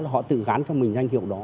họ tự gán cho mình danh hiệu đó